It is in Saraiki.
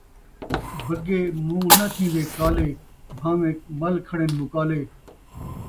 بگے مول ناں تھیندے کالے، بھانویں مل کھڑن مکالے